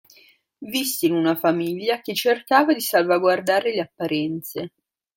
Visse in una famiglia che cercava di salvaguardare le apparenze.